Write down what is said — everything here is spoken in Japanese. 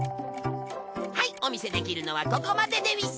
はいお見せできるのはここまででうぃす！